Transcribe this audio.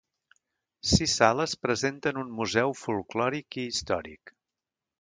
Sis sales presenten un museu folklòric i històric.